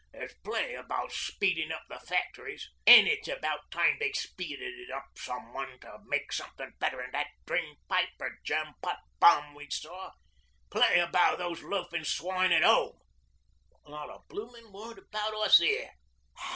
'There's plenty about speeding up the factories (an' it's about time they speeded up some one to make something better'n that drain pipe or jam pot bomb we saw), plenty about those loafin' swine at home, but not a bloomin' word about us 'ere.